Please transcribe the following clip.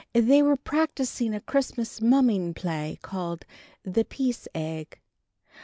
They were practicing a Christmas mumming play, called "The Peace Egg."